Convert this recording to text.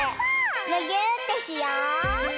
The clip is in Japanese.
むぎゅーってしよう！